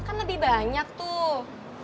kan lebih banyak tuh